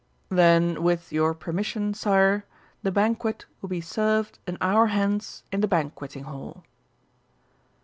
"Then with your permission, Sire, the Banquet will be served an hour hence in the Banqueting Hall."